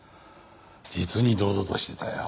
実に堂々としてたよ。